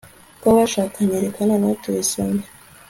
kw'abashakanye. reka noneho tubisome